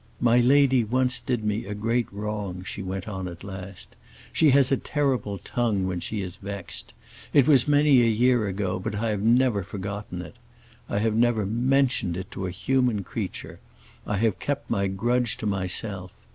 "My lady once did me a great wrong," she went on at last. "She has a terrible tongue when she is vexed. It was many a year ago, but I have never forgotten it. I have never mentioned it to a human creature; I have kept my grudge to myself.